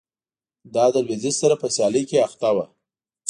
دا له لوېدیځ سره په سیالۍ کې اخته و